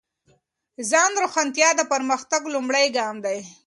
ځان روښانتیا د پرمختګ لومړی ګام دی.